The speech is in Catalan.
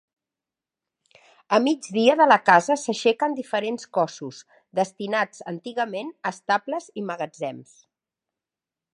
A migdia de la casa s'aixequen diferents cossos, destinats antigament a estables i magatzems.